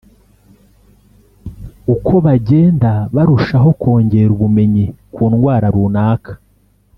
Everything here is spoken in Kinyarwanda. uko bagenda barushaho kongera ubumenyi ku ndwara runaka